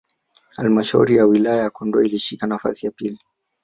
halmshauri ya wilaya ya Kondoa ilishika nafasi ya pili